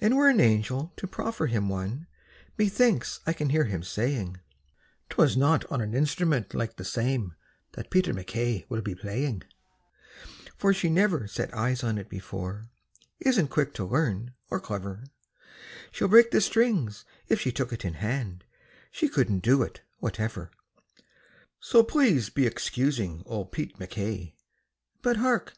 And were an angel to proffer him one, Methinks I can hear him saying: "'Twas not on an instrument like the same That Pete MacKay will be playing, "For she neffer set eyes on it before, Isn't quick to learn, or cleffer; She'd break the strings if she took it in hand, She couldn't do it, whateffer. "So please be excusing old Pete MacKay But hark!